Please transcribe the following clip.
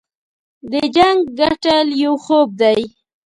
د جنګ ګټل یو خوب دی.